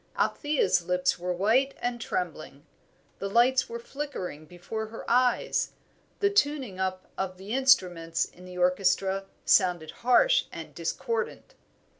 Althea's lips were white and trembling; the lights were flickering before her eyes; the tuning up of the instruments in the orchestra sounded harsh and discordant.